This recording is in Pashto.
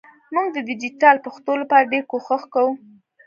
مونږ د ډیجېټل پښتو لپاره ډېر کوښښ کوو